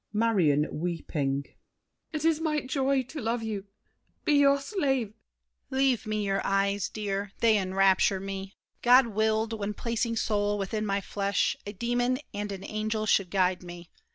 MARION (weeping). It is my joy to love you—be your slave. DIDIER. Leave me your eyes, dear; they enrapture me! God willed, when placing soul within my flesh, A demon and an angel should guide me.